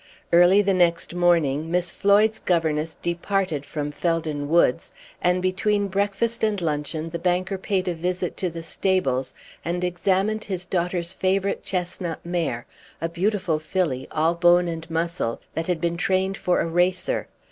Early the next morning Miss Floyd's governess departed from Felden Woods, and between breakfast and luncheon the banker paid a visit to the stables, and examined his daughter's favorite chestnut mare, a beautiful filly, all bone and muscle, that had been trained for a racer.